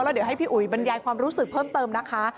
เดี๋ยวให้พี่อุ๋ยบรรยายความรู้สึกเพิ่มเติมนะคะ